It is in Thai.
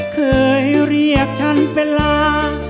เคยเรียกฉันเป็นลาง